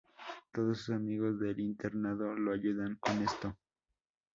Todos sus amigos del internado lo ayudan con esto.